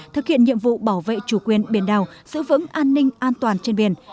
thực hiện nhiệm vụ bảo vệ chủ quyền biển đảo giữ vững an ninh an toàn trên biển